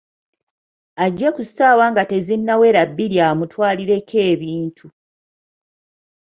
Ajje ku ssaawa nga tezinnawera bbiri amutwalireko ebintu.